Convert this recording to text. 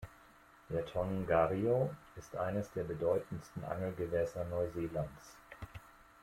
Der Tongariro ist eines der bedeutendsten Angelgewässer Neuseelands.